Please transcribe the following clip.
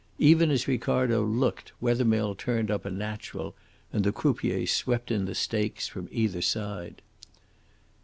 Even as Ricardo looked Wethermill turned up "a natural," and the croupier swept in the stakes from either side.